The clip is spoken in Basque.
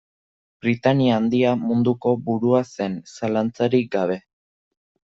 Britania Handia munduko burua zen, zalantzarik gabe.